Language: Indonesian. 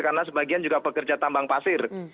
karena sebagian juga pekerja tambang pasir